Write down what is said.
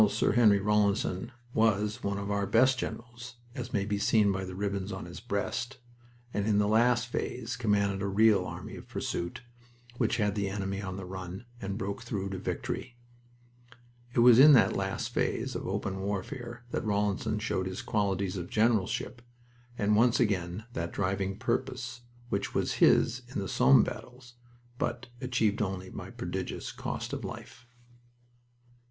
Sir Henry Rawlinson was one of our best generals, as may be seen by the ribbons on his breast, and in the last phase commanded a real "Army of Pursuit," which had the enemy on the run, and broke through to Victory. It was in that last phase of open warfare that Rawlinson showed his qualities of generalship and once again that driving purpose which was his in the Somme battles, but achieved only by prodigious cost of life.